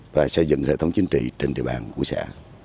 và xây dựng hệ thống chính trị trên địa bàn của xã